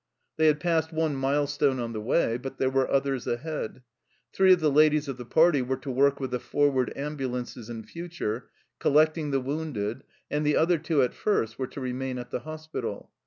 They had passed one milestone on the way, but there were others ahead ! Three of the ladies of the party were to work with the forward ambulances in future, collecting the wounded, and the other two, at first, were to remain at the hos pital.